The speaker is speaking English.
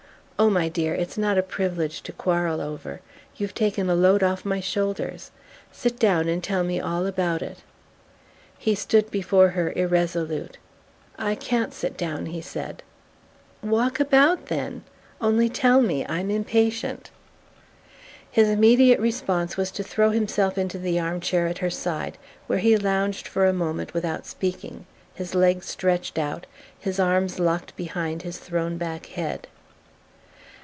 "Oh, my dear, it's not a privilege to quarrel over! You've taken a load off my shoulders. Sit down and tell me all about it." He stood before her, irresolute. "I can't sit down," he said. "Walk about, then. Only tell me: I'm impatient." His immediate response was to throw himself into the armchair at her side, where he lounged for a moment without speaking, his legs stretched out, his arms locked behind his thrown back head.